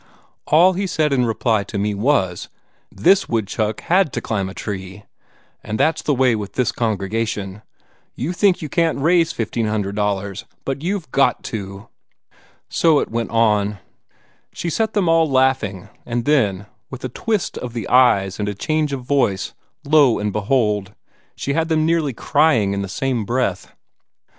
All he said in reply to me was: 'This woodchuck had to climb a tree!' And that's the way with this congregation. You think you can't raise $1,500, but you've GOT to." So it went on. She set them all laughing; and then, with a twist of the eyes and a change of voice, lo, and behold, she had them nearly crying in the same breath.